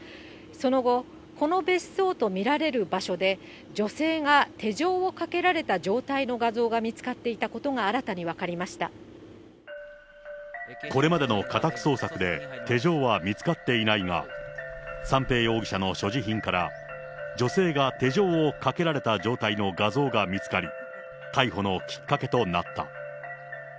その後、この別荘と見られる場所で、女性が手錠をかけられた状態の画像が見つかっていたことが新たにこれまでの家宅捜索で、手錠は見つかっていないが、三瓶容疑者の所持品から、女性が手錠をかけられた状態の画像が見つかり、逮捕のきっかけとなった。